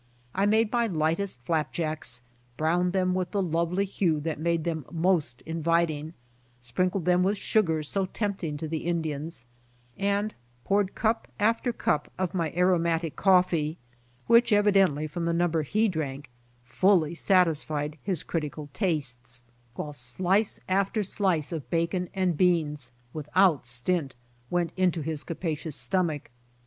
I made my lightest flap jacks, browned them; with the lovely hue that made them most inviting, sprinkled them with sugar so tempting to the Indians, and poured cup after cup of my aromatic coffee, which evidently from the number he drank, fully satisfied his critical tastes, while slice after slice of bacon and beans with LOST CATTLE RESTORED 71 out Stint went into his capacious stomach.